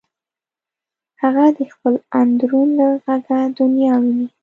هغه د خپل اندرون له غږه دنیا ویني